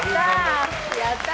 やったー！